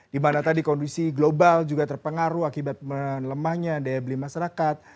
dimana tadi kondisi global juga terpengaruh akibat melemahnya daya beli masyarakat